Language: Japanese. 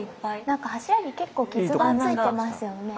何か柱に結構傷が付いてますよね。